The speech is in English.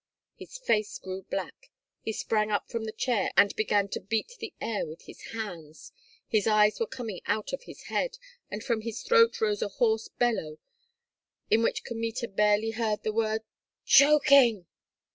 His face grew black, he sprang up from the chair and began to beat the air with his hands, his eyes were coming out of his head, and from his throat rose a hoarse bellow, in which Kmita barely heard the word, "Choking!"